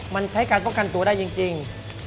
มันใช้การป้องกันตัวได้จริง